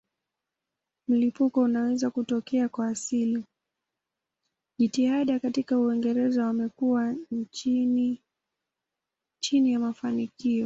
Jitihada katika Uingereza wamekuwa chini ya mafanikio.